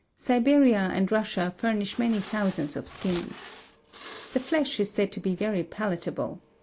Siberia and Russia furnish many thousands of skins. The flesh is said to be very palatable.